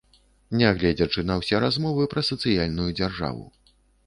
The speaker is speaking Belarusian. Нягледзячы на ўсе размовы пра сацыяльную дзяржаву.